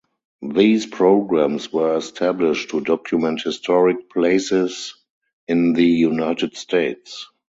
These programs were established to document historic places in the United States.